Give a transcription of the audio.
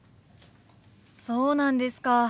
そうなんですか。